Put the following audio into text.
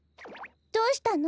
どうしたの？